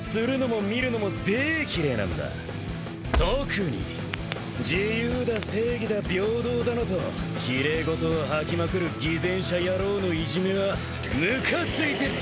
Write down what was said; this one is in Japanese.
特に自由だ正義だ平等だのと奇麗事を吐きまくる偽善者野郎のいじめはムカついてたまらねえ。